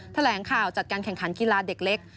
แถลงข่าวจัดการแข่งขันกีฬาเด็กเล็ก